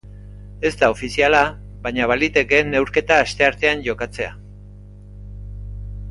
Ez da ofiziala baina baliteke neurketa asteartean jokatzea.